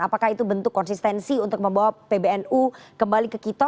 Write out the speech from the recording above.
apakah itu bentuk konsistensi untuk membawa pbnu kembali ke kito